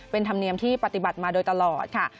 เป็นธรรมเนียมที่ปฏิบัติมาโดยตลอดค่ะ